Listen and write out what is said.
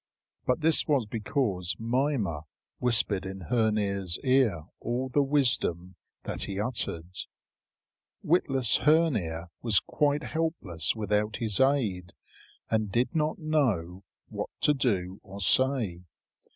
But this was because Mimer whispered in Hœnir's ear all the wisdom that he uttered. Witless Hœnir was quite helpless without his aid, and did not know what to do or say.